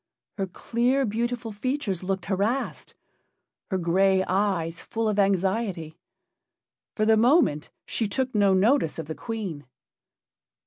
Her clear, beautiful features looked harassed; her gray eyes full of anxiety. For the moment she took no notice of the Queen.